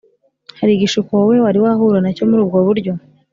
Hari igishuko wowe wari wahura na cyo muri ubwo buryo?